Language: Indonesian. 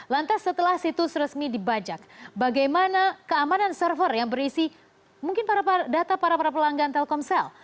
lantas setelah situs resmi dibajak bagaimana keamanan server yang berisi mungkin data para para pelanggan telkomsel